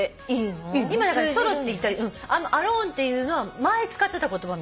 今だからソロって言ったりアローンっていうのは前使ってた言葉みたい。